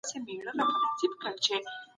د بل چا حق ته درناوی وکړئ.